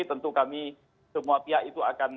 tentu kami semua pihak itu akan